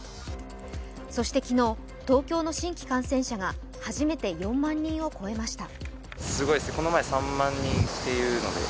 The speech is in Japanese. そして、昨日東京の新規感染者が初めて４万人を越えました。